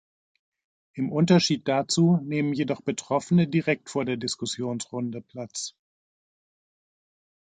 Im Unterschied dazu nehmen jedoch Betroffene direkt vor der Diskussionsrunde Platz.